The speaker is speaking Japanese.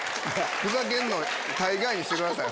ふざけんの大概にしてください。